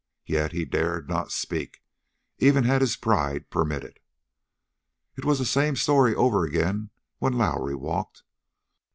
Yet he dared not speak, even had his pride permitted. It was the same story over again when Lowrie walked.